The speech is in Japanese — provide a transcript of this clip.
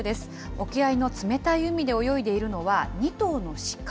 沖合の冷たい海で泳いでいるのは、２頭の鹿。